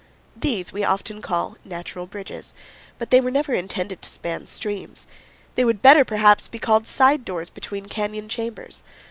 These we often call natural bridges; but they were never intended to span streams. They would better, perhaps, be called side doors between canyon chambers.